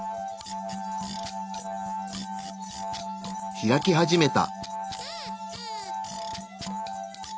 開き始めた。